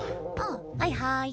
あはいはい。